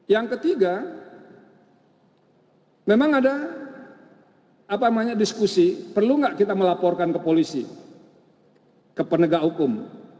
yang ketiga memang ada diskusi perlu nggak kita melaporkan ke polisi ke penegak hukum